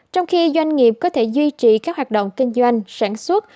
trong khi doanh nghiệp có thể duy trì các hoạt động kinh doanh sản xuất